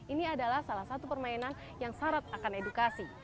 ini adalah salah satu permainan yang syarat akan edukasi